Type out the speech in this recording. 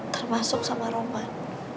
termasuk sama roman